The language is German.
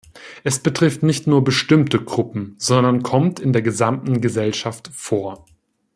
Es betrifft nicht nur bestimmte Gruppen, sondern kommt in der gesamten Gesellschaft vor.